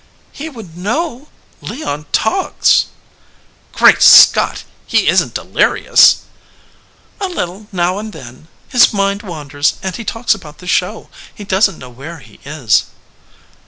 "He would know. Leon talks." "Great Scott ! He isn t delirious ?" "A little now and then. His mind wanders, and he talks about the show. He doesn t know where he is."